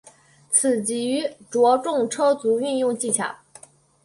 此局着重车卒运用技巧。